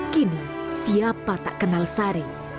kini siapa tak kenal sari